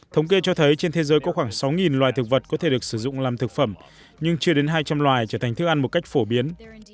thống kê cho thấy trên thế giới có khoảng sáu loài thực vật có thể được sử dụng làm thực phẩm nhưng chưa đến hai trăm linh loài trở thành thức ăn một cách phổ biến